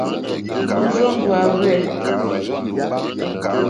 Òrzòŋwá hwɛ̂.